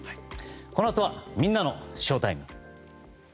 このあとはみんなのＳＨＯＷＴＩＭＥ。